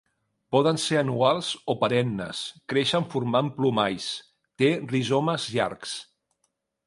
Poden ser anuals o perennes. Creixen formant plomalls. Té rizomes llargs.